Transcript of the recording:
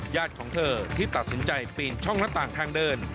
ของเธอที่ตัดสินใจปีนช่องหน้าต่างทางเดิน